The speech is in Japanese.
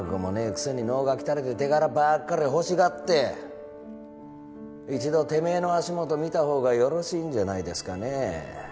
くせに能書きたれて手柄ばっかり欲しがって一度てめえの足元見たほうがよろしいんじゃないですかねえ